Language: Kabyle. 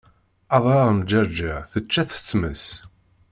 Adrar n Ǧerǧer tečča-t tmes